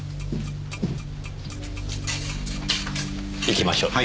行きましょう。